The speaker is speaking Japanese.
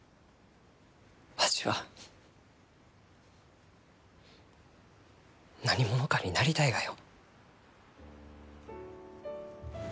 わしは何者かになりたいがよ。